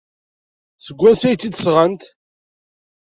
Seg wansi ay tt-id-sɣant?